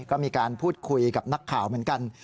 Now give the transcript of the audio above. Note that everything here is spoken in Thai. ก็มีการพูดคุยกับนักข่าวเหมือนกัน